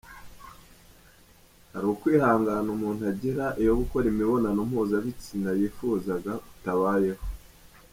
Hari ukwihangana umuntu agira iyo gukora imibonano mpuzabitsina yifuzaga kutabayeho.